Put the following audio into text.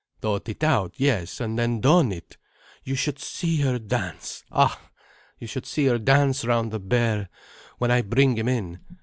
"Thought it out, yes. And then done it. You should see her dance—ah! You should see her dance round the bear, when I bring him in!